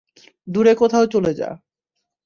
দূরে কোথাও চলে যা।